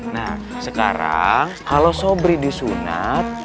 nah sekarang kalau sobri disunat